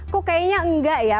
kok kayaknya enggak ya